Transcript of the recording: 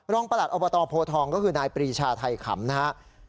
ประหลัดอบตโพทองก็คือนายปรีชาไทยขำนะครับ